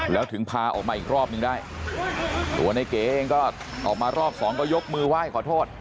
แล้วถึงพาออกมาอีกรอบนึงได้ตัวในเก๋เองก็ออกมารอบสองก็ยกมือไหว้ขอโทษ